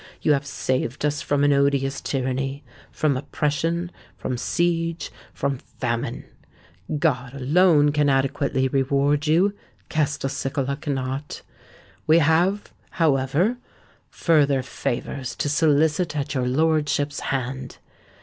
You have saved us from an odious tyranny—from oppression—from siege—from famine! God alone can adequately reward you: Castelcicala cannot. We have, however, further favours to solicit at your lordship's hand.